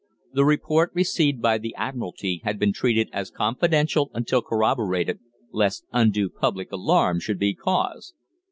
The report received by the Admiralty had been treated as confidential until corroborated, lest undue public alarm should be caused.